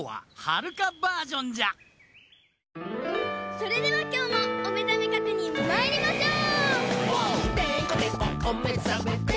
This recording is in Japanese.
それではきょうもおめざめ確認まいりましょう！